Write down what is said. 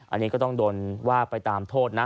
อันนี้ก็ต้องโดนว่าไปตามโทษนะ